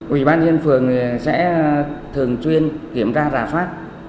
ủy ba nhân dân phường sẽ thường chuyên kiểm tra rà phát